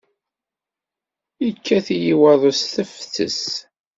Yekkat-iyi waḍu s tefses.